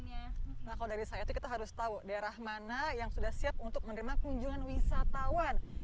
nah kalau dari saya itu kita harus tahu daerah mana yang sudah siap untuk menerima kunjungan wisatawan